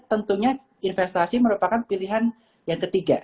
tentunya investasi merupakan pilihan yang ketiga